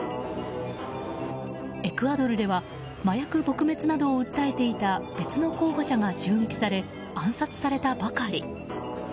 エクアドルでは麻薬撲滅などを訴えていた別の候補者が銃撃され暗殺されたばかり。